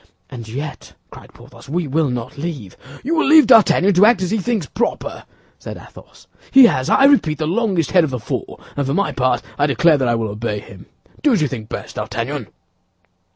"And yet," cried Porthos, "we will not leave—" "You will leave D'Artagnan to act as he thinks proper," said Athos. "He has, I repeat, the longest head of the four, and for my part I declare that I will obey him. Do as you think best, D'Artagnan."